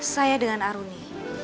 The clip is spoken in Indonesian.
saya dengan aruni